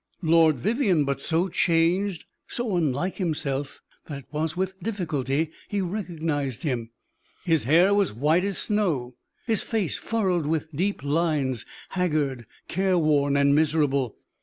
Lord Vivianne but so changed, so unlike himself, that it was with difficulty he recognized him. His hair was white as snow, his face furrowed with deep lines, haggard, careworn and miserable.